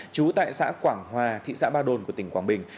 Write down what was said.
trú tại xã quảng hòa thị xã ba đồn của tỉnh quảng bình